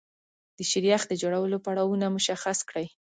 د شیریخ د جوړولو پړاوونه مشخص کړئ.